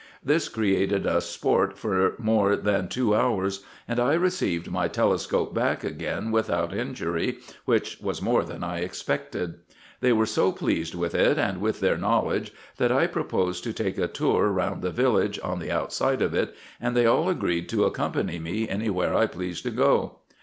This created us sport for more than two hours, and I received my telescope back again without injury, which was more than I expected. They were so pleased with it and with their knowledge, that I proposed to take a tour round the village on the outside of it, and they all agreed to accompany me any where I pleased to go.